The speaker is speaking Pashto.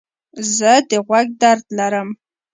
زه د غوږ درد لرم.